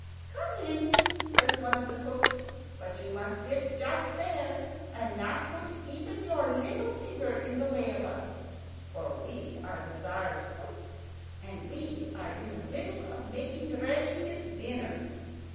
"Come in," says one of the cooks. "But you must sit just there, and not put even your little finger in the way of us; for we are the Tzar's cooks, and we are in the middle of making ready his dinner."